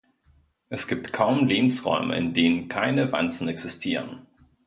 Es gibt kaum Lebensräume, in denen keine Wanzen existieren.